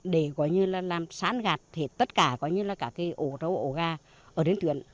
để làm sán gạt tất cả ổ râu ổ gà ở đến tuyển